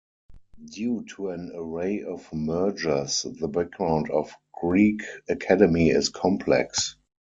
Due to an array of mergers, the background of "Grieg Academy" is complex.